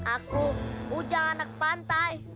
aku bucah anak pantai